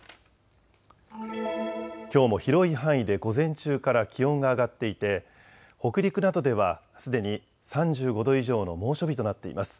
きょうも広い範囲で午前中から気温が上がっていて北陸などではすでに３５度以上の猛暑日となっています。